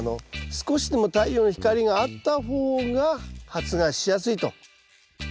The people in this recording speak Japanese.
少しでも太陽の光があった方が発芽しやすいと。